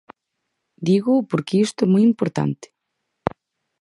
Dígoo porque isto é moi importante.